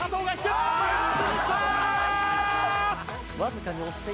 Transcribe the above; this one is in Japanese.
わずかに押して。